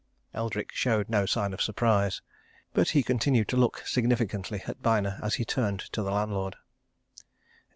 Eldrick showed no sign of surprise. But he continued to look significantly at Byner as he turned to the landlord.